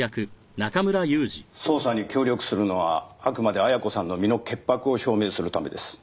捜査に協力するのはあくまで亜矢子さんの身の潔白を証明するためです。